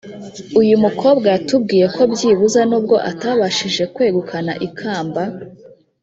uyu mukobwa yatubwiye ko byibuza nubwo atabashije kwegukana ikamba